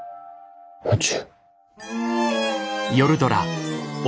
宇宙？